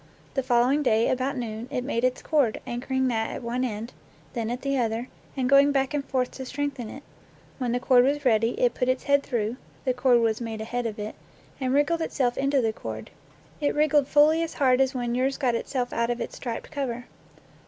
The following day, about noon, it made its cord, anchor ing that at one end, then at the other, and going back and forth to strengthen it. When the cord was ready, it put its head through (the cord was made ahead of it) and wriggled itself into the cord; it wriggled fully as hard as when yours got itself out of its striped cover.